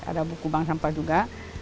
ada buku bank sampah juga